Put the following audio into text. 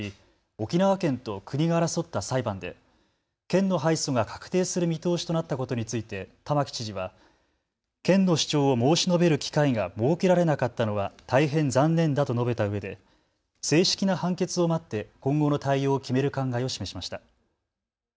沖縄県と国が争った裁判で県の敗訴が確定する見通しとなったことについて玉城知事は県の主張を申し述べる機会が設けられなかったのは大変残念だと述べたうえで正式な判決を待って今後の対応を決める考えを示しました。